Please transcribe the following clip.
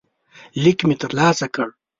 لیک مې ترلاسه کړ.